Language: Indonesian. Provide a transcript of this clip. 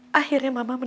hai hai gue ada pwang